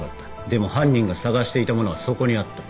でも犯人が探していたものはそこにあった。